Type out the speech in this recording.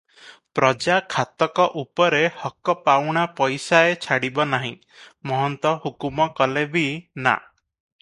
ପ୍ରଜା ଖାତକ ଉପରେ ହକ ପାଉଣା ପଇସାଏ ଛାଡିବ ନାହିଁ, ମହନ୍ତ ହୁକୁମ କଲେ ବି, ନା ।